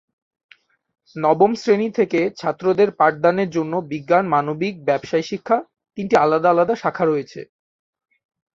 নবম শ্রেণী থেকে ছাত্রদের পাঠদানের জন্য বিজ্ঞান, মানবিক, ব্যাবসায় শিক্ষা তিনটি আলাদা আলাদা শাখা রয়েছে।